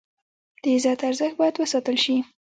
د عزت ارزښت باید وساتل شي.